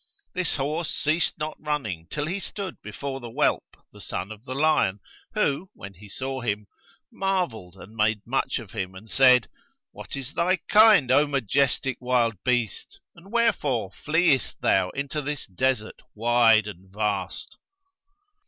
This horse ceased not running till he stood before the whelp, the son of the lion who, when he saw him, marvelled and made much of him and said, 'What is thy kind, O majestic wild beast and wherefore freest thou into this desert wide and vast?'